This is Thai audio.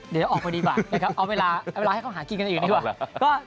เดี๋ยวออกไปได้ไหมเอาเวลาให้เขาหากินกันอีกดีกว่า